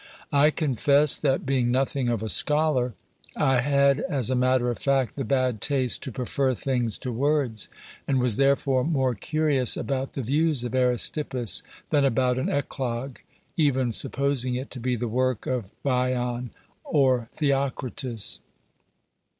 I confessed that, being nothing of a scholar, I had, as a matter of fact, the bad taste to prefer things to words, and was therefore more curious about the views of Aristippus than about an eclogue, even supposing it to be the work of Bion or Theocritus.